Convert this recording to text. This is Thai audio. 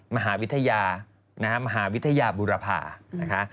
มหาวิทยามหาวิทยาบูรพานะคะ